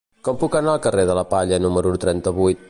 Com puc anar al carrer de la Palla número trenta-vuit?